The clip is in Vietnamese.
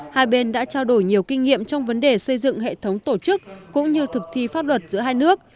hai bên đã trao đổi nhiều kinh nghiệm trong vấn đề xây dựng hệ thống tổ chức cũng như thực thi pháp luật giữa hai nước